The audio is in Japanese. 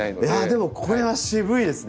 でもこれは渋いですね。